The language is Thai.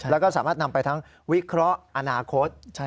แล้วก็สามารถนำไปทั้งวิเคราะห์อนาคต